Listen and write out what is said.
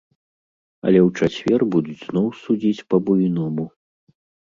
Але ў чацвер будуць зноў судзіць па-буйному.